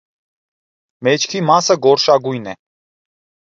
Մեջքի մասը գորշագույն է։